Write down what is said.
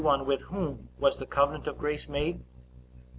With whom was the covenant of grace made?